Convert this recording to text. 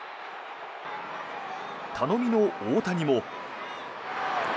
頼みの大谷も。